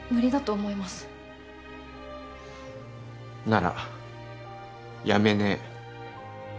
なら辞めねえ。